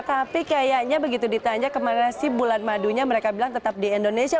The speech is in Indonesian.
tapi kayaknya begitu ditanya kemana sih bulan madunya mereka bilang tetap di indonesia